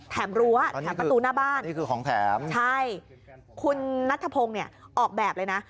แถมรั้วแถมประตูหน้าบ้านใช่คุณนัทธพงศ์เนี่ยออกแบบเลยนะ